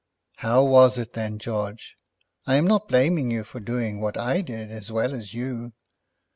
"How was it then, George? I am not blaming you for doing what I did as well as you."